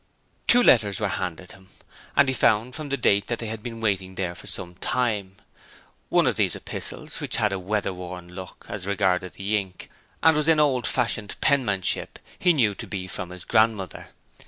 Two letters were handed him, and he found from the date that they had been waiting there for some time. One of these epistles, which had a weather worn look as regarded the ink, and was in old fashioned penmanship, he knew to be from his grandmother.